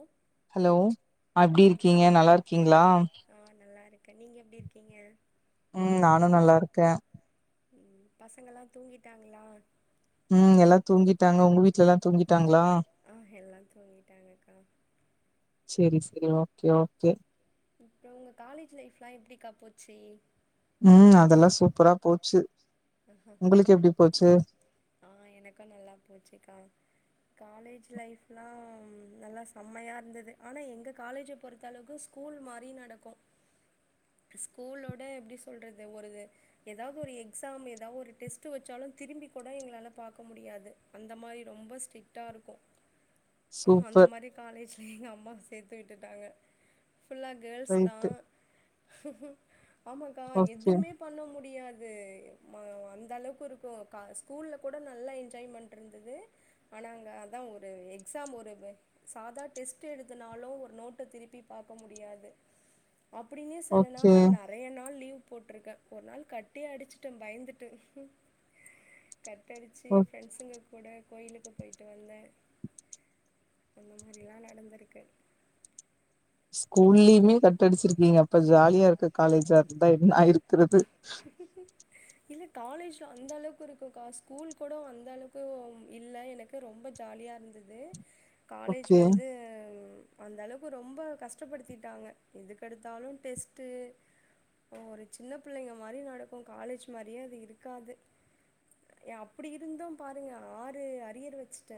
ஓ [inaudible] hello எப்டி இருக்கீங்க நல்லா இருக்கீங்ளா ஆ நல்லா இருக்கே நீங்க எப்டி இருக்கீங்க ம் நானு நல்லா இருக்கே பசங்கல்லா தூங்கிட்டாங்களா ம் எல்லா தூங்கிட்டாங்க உங்க வீட்டுல எல்லா தூங்கிட்டாங்களா ஆ எல்லா தூங்கிட்டாங்கக்கா சேரி சேரி ஓகே ஓகே அப்பறோ உங்க காலேஜ் லைஃப்லா எப்டிக்கா போச்சு ம் அதெல்லா சூப்பரா போச்சு உங்களுக்கு எப்டி போச்சு ஆ எனக்கு நல்லா போச்சுக்கா காலேஜ் லைஃப்லா நல்லா செம்மையா இருந்தது ஆனா எங்க காலேஜே பொறுத்த அளவுக்கு ஸ்கூல் மாரி நடக்கு ஸ்கூலோட எப்டி சொல்றது ஒரு இது எதாது ஒரு எக்ஸாம் எதாவது ஒரு டெஸ்ட் வச்சாலு திரும்பி கூட எங்களால பாக்க முடியாது அந்த மாரி ரொம்ப ஸ்ட்ரிக்ட்டா இருக்கு அந்த சூப்பர் மாரி காலேஜ்ல எங்க அம்மா சேத்து விட்டுட்டாங்க ஃபுல்லா கேர்ள்ஸ் தா ரைட்டு ஆமாங்க்கா ஓகே எதுமே பண்ண முடியாது ம அந்த அளவுக்கு இருக்கு ஸ்கூல்ல கூட நல்லா என்ஜாய்மெண்ட் இருந்தது ஆனா அங்க அதா ஒரு எக்ஸாம் ஒரு சாதா டெஸ்ட் எழுதுனாலு ஒரு நோட்ட திருப்பி பாக்க முடியாது அப்டியே ஓகே தலநால்லோநாக் நெறைய நாள் லீவ் போட்ருக்க ஒரு நாள் கட்டே அடிச்சுட்ட பயந்துட்டு கட்டடிச்சு ஓ ஃப்ரெண்ட்ஸுங்க கூட கோயிலுக்கு போயிட்டு வந்தே அந்த மாரிலா நடந்திருக்கு ஸ்கூல்லயுமே கட்டடிச்சிருக்கீங்க அப்ப ஜாலியா இருக்க காலேஜா இருந்தா என்ன ஆயிருக்கிறது இல்ல காலேஜ்ல அந்த அளவுக்கு இருக்குகா ஸ்கூல் கூட அந்த அளவுக்கு உ இல்ல எனக் ரொம்ப ஜாலியா இருந்தது காலேஜ் ஓகே வந்து ம் அந்தளவுக்கு ரொம்ப கஷ்டப்படுத்திட்டாங்க எதுக்கெடுத்தாலு டெஸ்ட்டு இப்ப ஒரு சின்ன புள்ளைங்க மாரி நடக்கு காலேஜ் மாரியே அது இருக்காது ய அப்டி இருந்து பாருங்க ஆறு அரியர் வெச்ட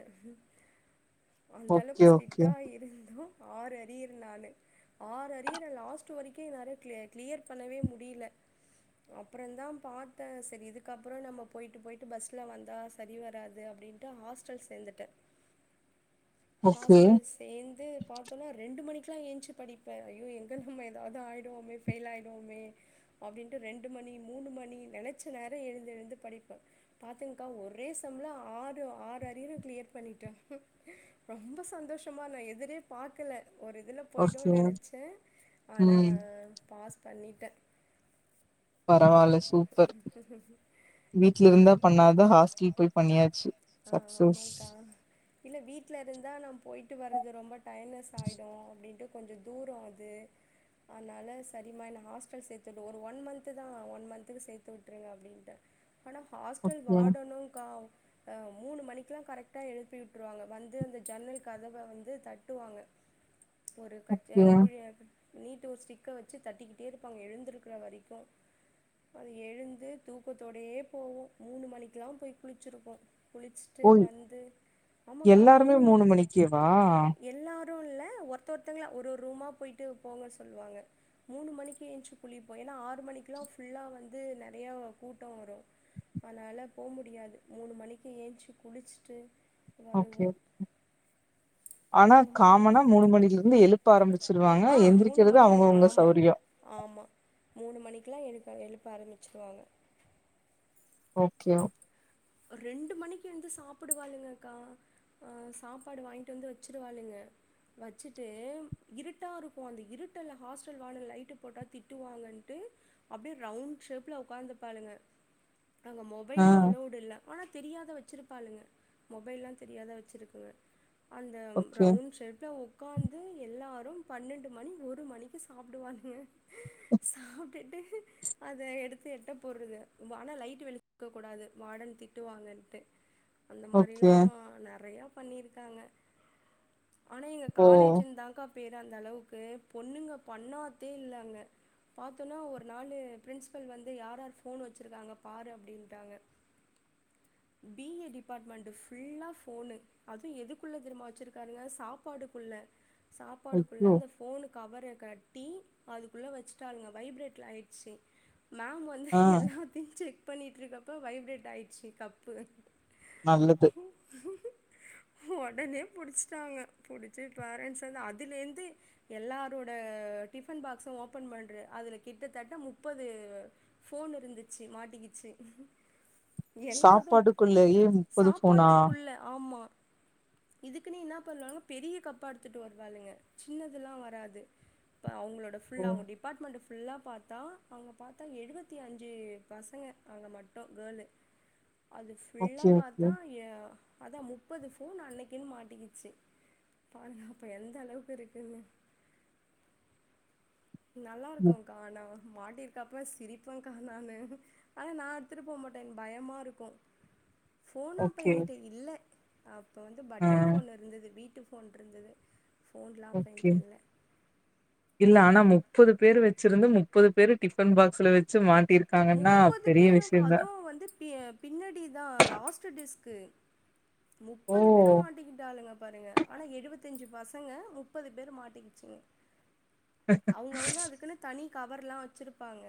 அந்தளவுக்கு ஓகே ஓகே ஸ்ட்ரிக்ட்டா இருந்து ஆறு அரியர் நானு ஆறு அரியர லாஸ்ட் வரைக்கு என்னால க்ளி க்ளியர் பண்ணவே முடில அப்பறொந்தா பாத்த செரி இதுக்கப்புறொ நம்ம போய்ட்டு போய்ட்டு பஸ்ல வந்தா சரி வராது அப்படின் ட்டு ஹாஸ்டல் சேந்துட்ட ஓகே ஹாஸ்டல்ஸ் சேந்து பாத்தோன ரெண்டு மணிக்குலா ஏஞ்ச்சு படிப்பே ஐயோ எங்க நம்ம எதாவது ஆயிடுவோமே ஃபெயில் ஆயிடுவோமே அப்டின்ட்டு ரெண்டு மணி மூணு மணி நெனைச்ச நேரொ எழுந்து எழுந்து படிப்பே பாத்துங்கக்கா ஒரே செம்ல ஆறு ஆறு அரியரும் க்ளியர் பண்ணிட்ட ரொம்ப சந்தோஷமா நா எதிரே பாக்கல ஒரு இதுல ஓகே போய்டூன் நெனச்ச ஆனா ம் பாஸ் பண்ணிட்ட பரவால்ல சூப்பர் வீட்ல இருந்தா பண்ணாதத ஹாஸ்டல் போய் பண்ணியாச்சு ஆ சக்சஸ் ஆமாங்க்கா இல்ல வீட்ல இருந்தா நா போய்ட்டு வர்றது ரொம்ப டயர்னஸ் ஆயிடு அப்டின்ட்டு கொஞ்ச தூரொ அது அதனால சரிமா என்ன ஹாஸ்டல் சேத்துடு ஒரு ஒன் மந்த் தா ஒன் மந்த்துக்கு சேத்து விட்டுருங்க அப்டின்ட்டே ஆனா ஹாஸ்டல் ஓகே வார்டனுங்கா ஆ மூணு மணிக்குலா கரெக்ட்டா எழுப்பி விட்ருவாங்க வந்து அந்த ஜன்னல் கதவ வந்து தட்டுவாங்க ஒரு கட்ச ஓகே. குழிய நீட்டு ஒரு ஸ்டிக்க வச்சு தட்டிக்கிட்டே இருப்பாங்க எழுந்திருக்கிற வரைக்கு அது எழுந்து தூக்கத்தோடேயே போவோம் மூணு மணிக்குலாம் போய் குளிச்சிருப்போ குளிச்ட்டு ஓ! வந்து ஆமாங்க்கா எல்லாருமே மூணு மணி மணிக்கேவா? எல்லாரு இல்ல ஒருத்த ஒருத்தங்களா ஒரு ஒரு ரூமா போய்ட்டு போங்க சொல்வாங்க மூணு மணிக்கு எஞ்ச்சி குளிப்போ ஏனா ஆறு மணிக்குலா ஃபுல்லா வந்து நெறையா கூட்டொ வரு அதனால போ முடியாது மூணு மணிக்கு ஏஞ்ச்சி குளிச்சிட்டு ஓகே ஆனா அந்த காமனா மாதிரிலாம் மூணு மணிலருந்து எழுப்ப ஆரம்பிச்சிருவாங்க எந்திரிக்கிறது அவ்ங்கவுங்க சௌரியொ ஆமா மூணு மணிக்குலா எழுப்ப எழுப்ப ஆரம்பிச்சிருவாங்க ஓகே ஓ ரெண்டு மணிக்கு எழுந்து சாப்டுவாளுங்கக்கா ஆ சாப்பாடு வாய்ன்ட்டு வந்து வெச்சுருவாளுங்க வச்சுட்டு இருட்டா இருக்கு அந்த இருட்டுல ஹாஸ்டல் வாடன் லைட்டு போட்டா திட்டுவாங்கன்ட்டு அப்டியே ரவுண்ட் ஷேப்ல உக்காந்து பாளுங்க அங்க மொபைலு ஆ. அலவ்டு இல்ல ஆனா தெரியாத வச்சிருப்பாளுங்க மொபைல்லா தெரியாத வச்சிருக்குங்க அந்த ஓகே, ரவுண்ட் ஷேப்ல உக் காந்து எல்லாரு பன்னெண்டு மணி ஒரு மணிக்கு சாப்புடுவாளுங்க சாப்ட்டுட்டு அத எடுத்து எட்ட போறது ஆனா லைட் வெளுக்க கூடாது வாடன் திட் திட்டு வாங்கன்ட்டு அந்த ஓகே. மாரிலா நெறைய பண்ணிருக்காங்க ஆனா இங்க ஓ! காலேஜின்தாக்கா பேரு அந்த அளவுக்கு பொண்ணுங்க பண்ணாத்தே இல்ல அங்க பாத்தோன்னா ஒரு நாளு பிரின்ஸிபல் வந்து யார் யார் ஃபோன் வச்சுருக்காங்க பாரு அப்படின்டாங்க பி ஏ டிபார்ட்மெண்ட்டு ஃபுல்லா ஃபோனு அது எதுக்குள்ள திரும்ப வச்சிருக்கானுங்க சாப்பாடுக்குள்ள சாப்பாடுக்குள்ள ஐயோ! அந்த ஃபோனு கவர கட்டி அதுக்குள்ள வச்சுட்டாளுங்க வைப்ரேட்ல ஆயிடுச்சி மேம் வந்து ஆ எல்லாத்தயு செக் பண்ணிட்டு இருக்கப்போ வைப்ரேட் ஆயிடுச்சி கப்பு நல்லது உடனே புடிச்சுட்டாங்க புடிச்சு பேரண்ட்ஸ் வந்து அதுலே இந்து எல்லாரோட டிஃபன் பாக்ஸு ஓபன் பண்ற அதுல கிட்டத்தட்ட முப்பது போன் இருந்துச்சு மாட்டிக்குச்சு என்ன அதும் சாப்பாடுக்குள்ளேயே ஃபோனா? சாப்பாட்டுக்குள்ள ஆமா இதுக்குன்னே என்ன பண்ணாங்க பெரிய கப்பா எடுத்துட்டு வருவாளுங்க சின்னதுல்லா வராது இப்ப அவுங்களோட ஓ! ஃபுல் அவுங்க டிப் டிப்பார்ட்மெண்ட்டு ஃபுல்லா பாத்தா அவுங்க பாத்தா எழுவத்தி அஞ்சு பசங்க அங்க மட்டு கேளு அது ஃபுல்லா ஓகே, ஓகே. பாத்தா எ அதா முப்பது போனு அன்னைக்குனு மாட்டிக்கிச்சு பாருங்க அப்ப எந்த அளவுக்கு இருக்குன்னு நல்லா ம். இருக்கோங்கா ஆனா மாட்டிருக்கா அப்புற சிரிப்பேன்க்கா நானு ஆனா நா எடுத்துட்டு போ மாட்டே எனக்கு பயமா இருக்கு போனு அப்ப ஓகே. என் கிட்ட இல்ல அப் அப்போ வந்து ஆ. பட்டன் போன்ல இருந்தது வீட்டு போன் இருந்தது ஃபோன்லா அப்ப ஓகே. ஏன்ட்ட இல்ல இப் முப்பது பேர் வச்சிருந்து முப்பது பேரு டிஃபன் பாக்ஸ்ல வச்சு மாட்டிருக் முப்பது பேருங்கா அதுவு வந்து பி-பின்னாடி தா லாஸ்டு டேஸ்க்கு ஓ! முப்பது பேரு மாட்டிக்கிட்டாளுங்க பாருங்க ஆனா எழுவத் தஞ்சு பசங்க முப்பது பேரு மாட்டிக்கிச்சுங்க அவுங்க அவுங்க அதுக்குன்னு தனி கவர்லா வச்சுருப்பாங்க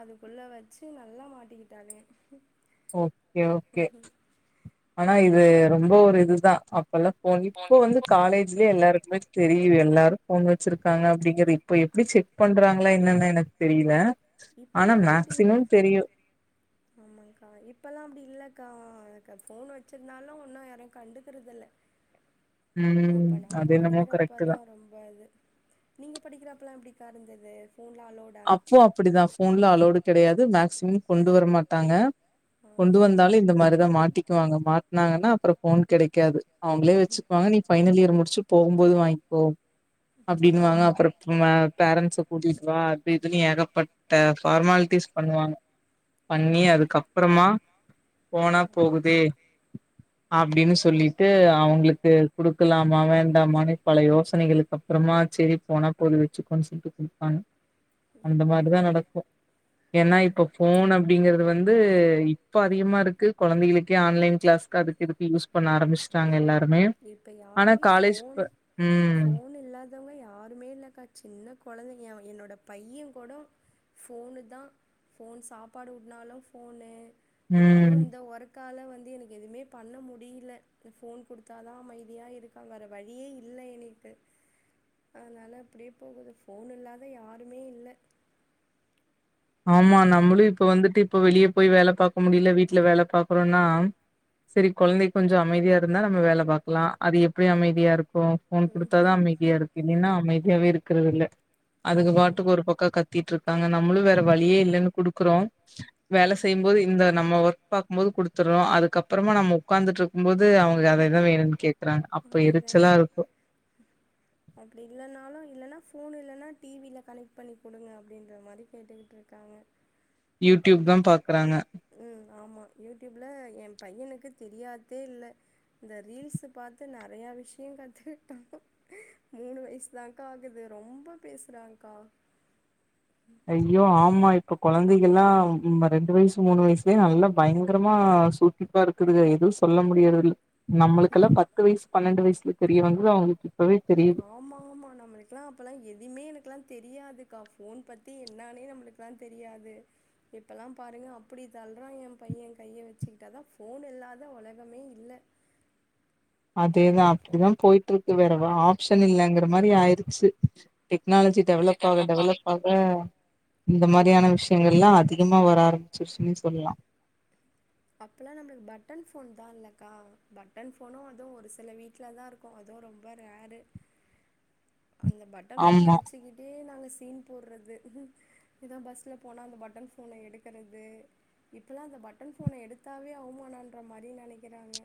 அதுக்குள்ள வச்சு நல்லா மாட்டிக்கிட்டாளுங்க ஓகே ஓகே ஆனா இது ரொம்ப ஒரு இதுதா இப்பெல்லா போன் இப்ப வந்து காலேஜ்லே எல்லாருக்குமே செரி எல்லாரு போன் வச்சிருக்காங்க அப்டிங்குற இப்ப எப்படி செக் பண்றாங்களா என்னனு எனக்கு தெரில ஆனா இப்பல்லா அப்டி இல்ல மேக்சிமம் தெரியு ஆமாக்கா இப்பல்லா அப்டி இல்லக்கா அக்கா ஃபோன் வச்சுருந்தாலு ஒன்னு யாரயு கண்டுக்குறதில்ல ம் அப்ப அது நாங்க என்னமோ படிக்கிற அப்ப கரெக்ட் தா ரொம்ப இது நீங்க படிக்கிறப்பல்லா எப்டிக்கா இருந்தது போன்லா அலோட் அப்போ அப்டிதா போன்ல அளோடு கிடையாது மேக்சிமம் கொண்டு வரமாட்டாங்க கொண்டு ஆமா வந்தாலு இந்த மாதிரிதா மாட்டிக்குவாங்க மாட்னாங்கன்னா அப்றோ போன் கிடைக்காது அவுங்களே வெச்சுக்வாங்க நீ ஃபைனல் இயர் முடிச்சு போகுபோது வாங்கிப்போ அப்பிடின்னுவாங்க அப்றொ பேரண்ட்ஸ கூட்டிட்டு வா இதுலுயூ ஏகப்பட்ட ஃபார்மாலிட்டிஸ் பண்ணுவாங்க. பண்ணி அதுக்கப்பறமா போனா போகுது அப்பிடின்னு சொல்லிட்டு அவுங்ளுக்கு குடுக்கலாமா வேண்டாமான்னு பல யோஸ் சனைகளுக்கு அப்றமா செர்ரி போனா போது வெச்சுக்கோன்னு சொல்லிட்டு குடுத்தாங்க. அந்த மாரிதா ஆமா நடக்கும். ஏனா இப்ப போன் அப்பிடிங்கறது வந்து இப்ப அதிகமா இருக்கு. கொழந்தைகளுக்கே ஆன்லைன் க்ளாஸ்க்கு அதுக்கு இதுக்கு யூஸ் பண்ண ஆரம்புச் ட்டாங்க எல்லாருமே. இப்ப ஆனா யாருமே காலேஜ் ப் ம் மத்தவங்க யாருமே இல்லக்கா சின்ன கொழந்திங்க என்னோட பையங்கூட ஃபோனுதா ஃபோன் சாப்பாடு ஊட்னாலு ஃபோனு இப்ப ம் அதூவு இந்த ஒர்க்கால வந்து எனக்கு எதுமே பண்ண முடில. இந்த ஃபோன் குடுத் தாதா அமைதியா இருக்காங்க. வேற வழியே இல்ல எனக்கு. அதனால அப்பிடியே போகுது. ஃபோன் இல்லாத யாருமே இல்ல ஆமா நம்மளூ இப்ப வந்துட்டு இப்ப வெளிய போய் வேல பாக்க முடியல. வீட்ல வேல பாக்குறோன்னா செரி கொழந்தைக் கொஞ்சொ அமைதியா இருந்தா நம்ம வேல பாக்கலா. அது எப்பிடி அமைதியா இருக்கோ. ஃபோன் குடுத்தாதா ம்ஹூம் அமைதியா இருக் கோ. இல்லின்னா அமைதியாவே இருக்கறது இல்ல. அதுக ஆமா பாட்டுக்கு ஒரு பக்கோ கத்திட்டு இருக்காங்க. நம்மளூ வேற வழியே இல்லென்னு குடுக்குறோ. வேல செய்யும்போது இந்த நம்ம ஒர்க் பாக்கும்போது குடுத்துற்றோ. அதுக்கப்புறமா நம்ம ஒக்காந்திட்ருக்கும் பேது அவங்க அதேதா வேணூன் கேட் அதேதாயிர்ச் அப்டி இல்லனாலூ இல்லன்னா ஃபோனு இல்லனா டிவில கனக்ட் பண்ணி குடுங்க அப்பிடின்ற மாரி கேட்டுக்கிட்டு இருக்காங்க. யூ டியூப் தா பாக்குறாங்க ம் ஆமா யூ டியூப்ல ஏ பையனுக்கு தெரியாத்தே இல்ல. இந்த ரீல்ஸு பாத்து நறயா விஷயோ கத்துக்கிட்டாங் மூணு வய்சு தாங்கா ஆகுது. ரொம்ப பேசுறாங்கா. ஐயோ ஆமா இப்ப கொழந்தைக் கெல்லா ம் ரெண்டு வய்சு மூணு வய்சுலயே நல்லா பயங்கரமா சுர்சுர்பா இருக்குதுக‌ எதூ சொல்ல முடியர்தில்ல நம்மளுக்கெல்லா பத்து வய்சு பன்னெண்டு வய்சுல தெரியவந்தது அவுங்ளுக் இப்பவே தெரித் ஆமா ஆமா நம்ளுக் இப்பெல்லா அப்பெல்லா எதுமே எனக்கெல்லா தெரியாதுக்கா. ஃபோன் பத்தி என்னான்னே நம்ளுக்குல்லா தெரியாது. இப்பெல்லா பாருங்க அப்பிடி தல்றா ஏ பையன் கைய வெச்சுக்கிட்டு அதா ஃபோன் இல்லாத உலகமே இல்ல. அதேதா அப்பிடிதா போய்ட்டு இருக்கு. வேற வ ஆப்ஷன் இல்லங்குற மாரி ஆயிருச்சு. டெக்னாலஜி டெவலப் ஆக டெவலப் ஆக இந்த மாரியான விஷயங்கள்ல்லா அதிகமா வர ஆரம்பிச்சுருச்சுன்னு சொல்லா. அப்பெல்லா நம்ளுக்கு பட்டன் ஃபோன் தா இல்லக்கா. பட்டன் ஃபோனு அதூ ஒரு சில வீட் நல்லா இருக்கோ. அதூவூ ரொம்ப ரேர்ரு அந்த பட்டன் ஃபோன ஆமா வெச்சிக்கிட்டே நாங்க சீன் போட்றது எதோ பஸ்ல போனா அந்த பட்டன் ஃபோன எடுக்குறது இப்பெல்லா அந்த பட்டன் ஃபோன எடுத்தாவே அவ்மானென்ற மாரி நெனைக்கிறாங்க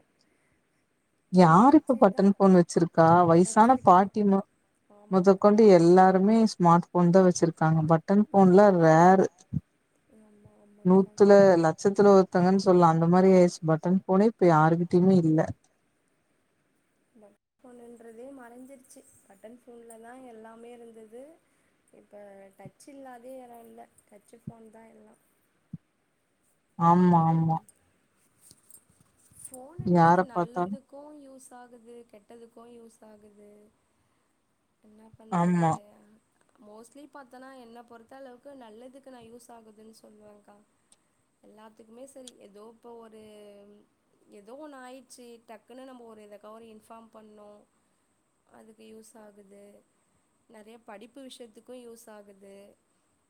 இப்பல்லா யாரு இப்ப டச்சு இதா பட்டன் ஃபோன் வெச்சிருக்கா. வய்சான வச்சிருக்கா பாட்டி மொ ஆமா மொதக்கொண் டு எல்லாருமே ஸ்மார்ட் ஃபோன் தா வெச்சிருக்காங்க. பட்டன் ஃபோன்லா ரேர்ரு ஆம்மா அம் நூத்துல லட்சத்துல ஒருத்தங்கன்னு சொல்லா. அந்த மாரி ஆய்ர்சு. பட்டன் ஃபோனே இப்ப யாருகிட்டயுமே இல்ல. [unintelligible] பண்ணன்றதே மறஞ்சிருச்சி பட்டன் ஃபோன்லதா எல்லாமே இருந்தது இப்ப டச் இல்லாத யாரு இல்ல டச்சு ஃபோன்தா எல்லா ஆம்மா ஆம்மா யார ஃபோனுன்றது பாத்தாலு நல்லதுக்கு யூஸ் ஆகுது கெட்டதுக்கு யூஸ் ஆகுது என்ன பண்றது ஆமா அ மோஸ்ட்லி பாத்தனா என்ன பொறுத்த அளவுக்கு நல்லதுக்கு நா யூஸ் ஆகுதுன்னு சொல்லுவேங்க்கா எல்லாத்துக்குமே செரி ஏதோ இப்போ ஒரு ஏதோ ஒண்ணு ஆயிச்சி டக்குன்னு நம்ம ஒரு இதக்கோரி இன்ஃபார்ம் பண்ணோம் அதுக்கு யூஸ் ஆகுது நெறைய படிப்பு விஷயத்துக்கு யூஸ் ஆகுது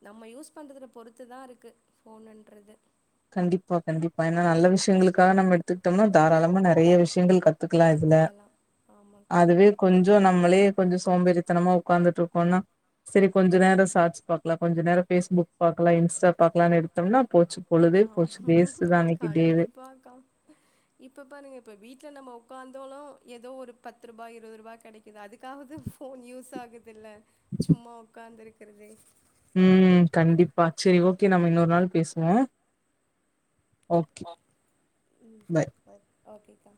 நம்ம யூஸ் பண்ணுறதல பொறுத்துதா இருக்கு ஃபோனுன்றது கண்டிப்பா கண்டிப்பா ஏன்னா நல்ல விஷயங்களுக்காக நம்ம எடுத்துக்ட்டோம்னா தாராளமா நெறைய விஷயங்கள் கத் கத்துக்கலா ஆமாக்கா கொஞ்சோ நம்மளே கொஞ்சோ சோம்பறித்தனமா ஒக்காந்துட்டு இருக்கோனா செரி கொஞ்ச நேரம் சார்ட்ஸ் பாக்லா கொஞ்ச நேர பேஸ்புக் பாக்லா இன்ஸ்டா பாக்கலான்னு எடுத்தோம்னா போச்சு பொழுதே ஆ போச்சு வேஸ்ட் தா அன்னைக்கு டேவே கண்டிப்பாக்கா இப்ப பாருங்க இப்ப வீட்ல நம்ம ஒக்காந்தாலும் ஏதோ ஒரு பத்ரூபா இருபதுரூபா கெடை இது அதுக்காவது ஃபோன் யூஸ் ஆகுதுல்ல சும்மா ஒக்காந்து இருக்றதே ம் கண்டிப்பா செரி ஓகே நம்ம இன்னொரு நாளு பேசுவோம் ஓகே பாய் பாய் ஓகேக்கா